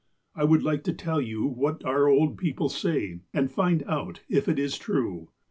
I would like to tell you what our old people say, and find out if it is true.